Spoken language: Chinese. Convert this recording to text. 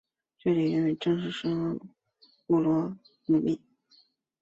这里原本正式名称是布罗姆利。